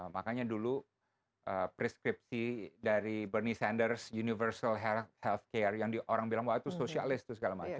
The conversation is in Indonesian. makanya dulu preskripsi dari burnie sanders universal health care yang orang bilang wah itu sosialis tuh segala macam